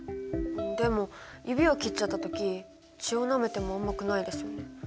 でも指を切っちゃった時血をなめても甘くないですよね。